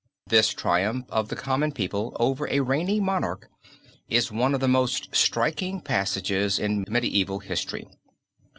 This triumph of the common people over a reigning monarch is one of the most striking passages in medieval history.